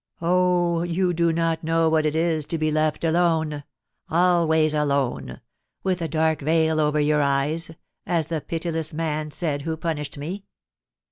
Oh, you do not know what it is to be left alone, always alone, with a dark veil over your eyes, as the pitiless man said who punished me.